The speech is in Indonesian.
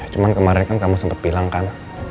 cuman kemarin kan kamu sempat bilang kan